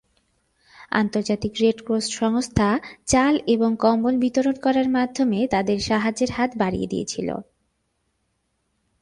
আন্তর্জাতিক Red Cross সংস্থা চাল এবং কম্বল বিতরণ করার মাধ্যমে তাদের সাহায্যের হাত বাড়িয়ে দিয়েছিল।